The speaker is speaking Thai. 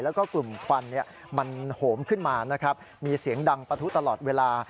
แล้วก็กลุ่มควันมันโหมขึ้นมานะครับมีเสียงดังปะทุตลอดเวลา